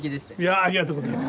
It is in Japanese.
ありがとうございます。